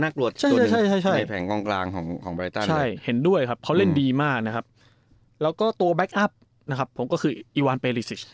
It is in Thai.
กลางของของใบต้านใช่เห็นด้วยครับเขาเล่นดีมากนะครับแล้วก็ตัวแบบอัพนะครับผมก็คืออีวัลเปรย์ริสิต